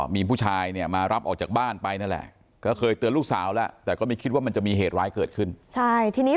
เมียนไปรอบออกจากบ้านไปแล้วแหละเตือนหลูกสาวแต่ไม่คิดว่ามีเหตุร้ายเกิดขึ้น